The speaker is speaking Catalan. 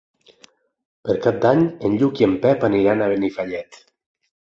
Per Cap d'Any en Lluc i en Pep aniran a Benifallet.